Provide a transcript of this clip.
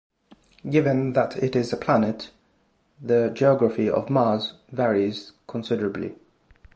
Given that it is a planet, the geography of Mars varies considerably.